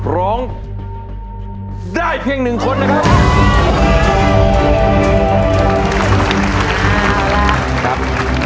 ร้องได้เพียงหนึ่งคนนะครับ